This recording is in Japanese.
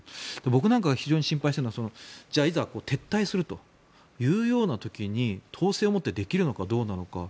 僕なんかが非常に心配しているのはいざ撤退するという時に統制を持ってできるのかどうなのか。